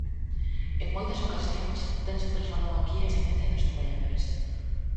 En moitas ocasións tense trasladado aquí a eficiencia dos traballadores.